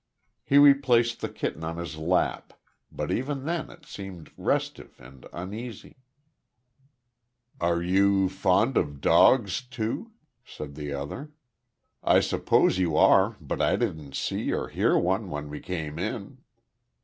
He replaced the kitten on his lap, but even then it seemed restive and uneasy. "Are you fond of dogs too?" said the other. "I suppose you are, but I didn't see or hear one when we came in."